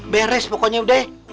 beres pokoknya udah ya